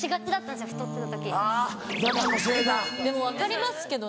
でも分かりますけどね。